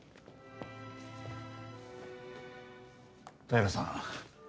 平良さん